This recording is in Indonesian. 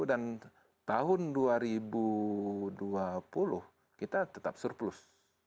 dan tahun dua ribu dua puluh kita tetap surplus